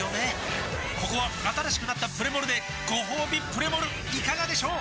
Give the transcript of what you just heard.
ここは新しくなったプレモルでごほうびプレモルいかがでしょう？